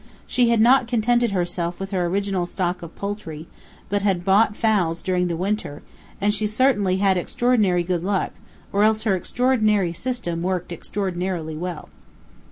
She had not contented herself with her original stock of poultry, but had bought fowls during the winter, and she certainly had extraordinary good luck, or else her extraordinary system worked extraordinarily well.